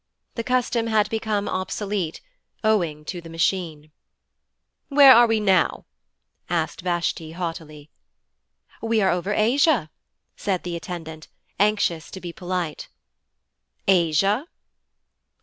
The custom had become obsolete, owing to the Machine. 'Where are we now?' asked Vashti haughtily. 'We are over Asia,' said the attendant, anxious to be polite. 'Asia?'